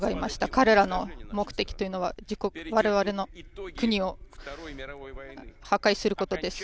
彼らの目的というのは我々の国を破壊することです。